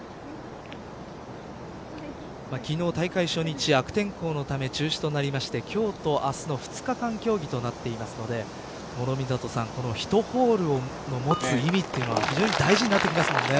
昨日大会初日悪天候のため中止となりまして今日と明日の２日間競技となっていますので諸見里さん１ホールの持つ意味というのは非常に大事になってきますもんね。